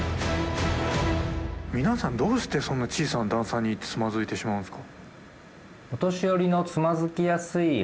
皆さんどうしてそんな小さな段差につまずいてしまうんですか？